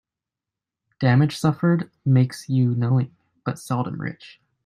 Damage suffered makes you knowing, but seldom rich.